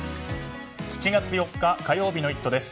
７月４日火曜日の「イット！」です。